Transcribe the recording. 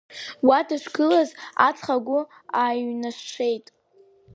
Уа дышгылаз аҵх агә ааиҩнашеит.